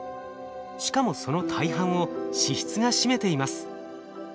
しかもその大半を脂質が占めています。